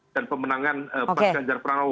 dan pemenangan pak ganjar pranowo